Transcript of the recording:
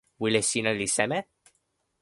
wile sina li seme?